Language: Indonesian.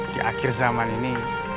di akhir zaman ini